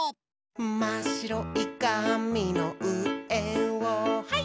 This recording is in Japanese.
「まっしろいかみのうえをハイ！」